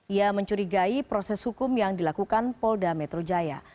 ia mencurigai proses hukum yang dilakukan polda metro jaya